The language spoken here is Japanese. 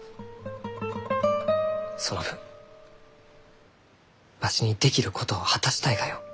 その分わしにできることを果たしたいがよ。